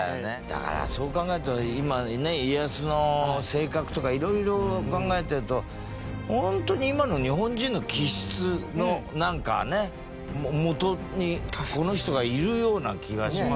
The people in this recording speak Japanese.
だからそう考えると今ね家康の性格とか色々考えてるとホントに今の日本人の気質のなんかね元にこの人がいるような気がしますよね。